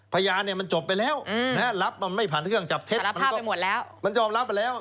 พยานเนี่ยมันจบไปแล้วรับมันไม่ผ่านเครื่องจับเท็จมันก็ยอมรับไปแล้ว